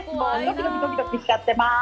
ドキドキ、ドキドキちゃってます。